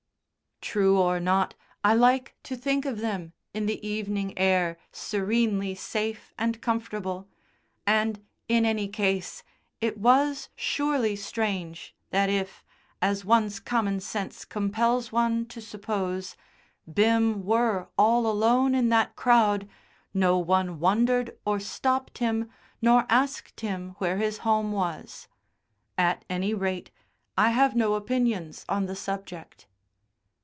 True or not, I like to think of them, in the evening air, serenely safe and comfortable, and in any case, it was surely strange that if, as one's common sense compels one to suppose, Bim were all alone in that crowd, no one wondered or stopped him nor asked him where his home was. At any rate, I have no opinions on the subject.